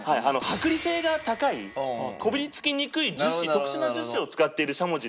剥離性が高いこびりつきにくい樹脂特殊な樹脂を使っているしゃもじで。